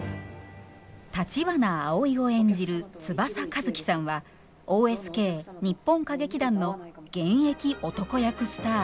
橘アオイを演じる翼和希さんはＯＳＫ日本歌劇団の現役男役スター。